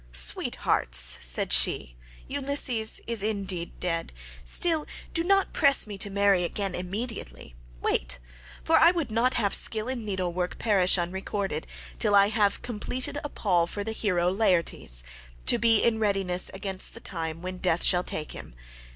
'Sweet hearts,' said she, 'Ulysses is indeed dead, still do not press me to marry again immediately, wait—for I would not have skill in needlework perish unrecorded—till I have completed a pall for the hero Laertes, to be in readiness against the time when death shall take him.